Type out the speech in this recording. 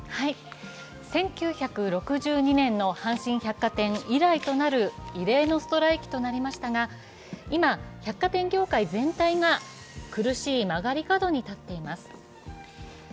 １９６２年の阪神百貨店以来となる異例のストライキとなりましたが、今、百貨店業界全体が苦しい曲がり角に立っています。